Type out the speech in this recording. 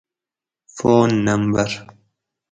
فون نمبر